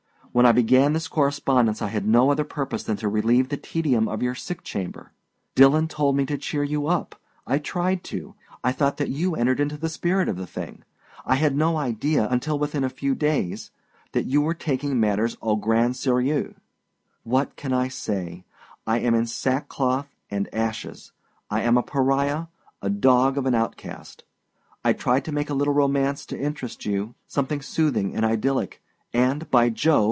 When I began this correspondence I had no other purpose than to relieve the tedium of your sick chamber. Dillon told me to cheer you up. I tried to. I thought that you entered into the spirit of the thing. I had no idea, until within a few days, that you were taking matters au grand serieux. What can I say? I am in sackcloth and ashes. I am a pariah, a dog of an outcast. I tried to make a little romance to interest you, something soothing and idyllic, and, by Jove!